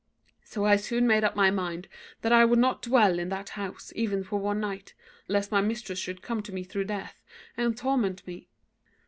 So I soon made up my mind that I would not dwell in that house even for one night; lest my mistress should come to me though dead, and torment me.